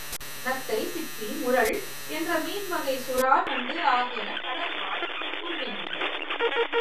நத்தை, சிப்பி, முறள் என்ற மீன் வகை, சுறா, நண்டு ஆகியன கடல்வாழ் உயிரினங்கள்.